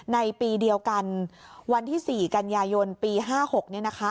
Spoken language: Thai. ในปีเดียวกันวันที่สี่กันยายนปีห้าหกเนี้ยนะคะ